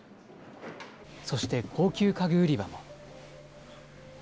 そして高級家具売り場も。